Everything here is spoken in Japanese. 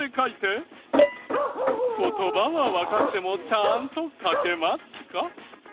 言葉はわかってもちゃんと書けますか？